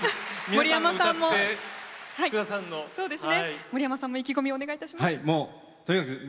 森山さんも意気込みをお願いします。